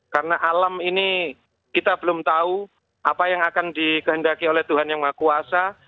karena alam ini kita belum tahu apa yang akan dikehendaki oleh tuhan yang mengakuasa